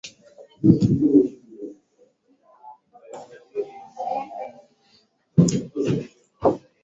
asili yao na ya maingiliano yao na makabila mengine Kabila la Kichagga ni mkusanyiko